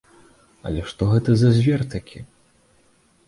Але што гэта за звер такі?